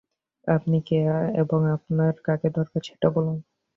আপনি কে এবং আপনার কাকে দরকার, সেটা বলুন।